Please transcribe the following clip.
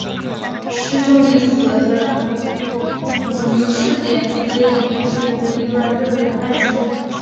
诗中以死了的丈夫的视点去追忆和妻子的一段热烈的爱情。